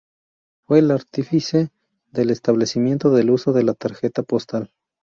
Fue el artífice del establecimiento del uso de la tarjeta postal.